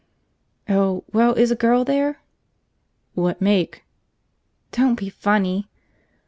"Oh. Well, is a girl there?" "What make?" "Don't be funny!"